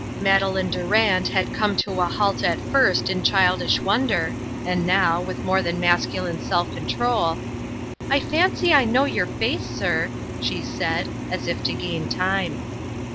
Madeleine Durand had come to a halt at first in childish wonder, and now, with more than masculine self control, "I fancy I know your face, sir," she said, as if to gain time.